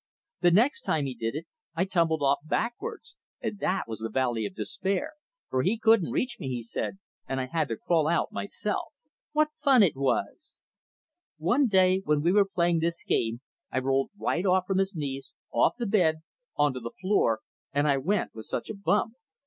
The next time he did it I tumbled off backwards, and that was the Valley of Despair, for he couldn't reach me, he said, and I had to crawl out myself. What fun it was! One day when we were playing this game I rolled right off from his knees, off the bed, onto the floor; and I went with such a bump!